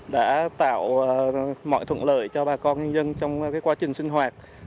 đã tạo mọi thuận lợi cho bà con nhân dân trong quá trình sinh hoạt